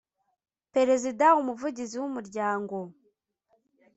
Perezida umuvugizi w umuryango